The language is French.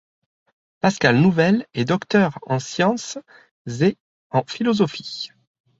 Pascal Nouvel est docteur en sciences et en philosophie.